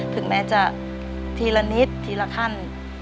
ถึงแม้จะทีละนิดทีละขั้น